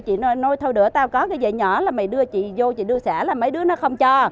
chị nói thôi đứa tao có cái dây nhỏ là mày đưa chị vô chị đưa xả là mấy đứa nó không cho